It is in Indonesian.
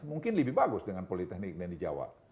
mungkin lebih bagus dengan politeknik dan di jawa